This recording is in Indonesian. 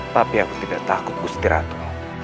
tapi aku tidak takut gusti ratu